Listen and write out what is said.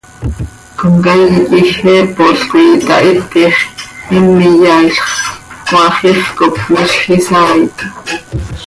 Comcaii quij heepol coi itahitix, him iyaailx, cmaax ix cop miizj isaai taa.